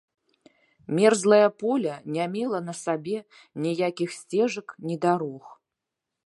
Мерзлае поле не мела на сабе ніякіх сцежак ні дарог.